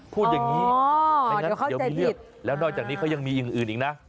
พูดอย่างนี้อ๋อเดี๋ยวเขาจะหิดแล้วนอกจากนี้เขายังมีอื่นอีกนะ